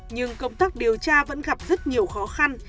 nhưng công tác điều tra vẫn gặp rất nhiều khó khăn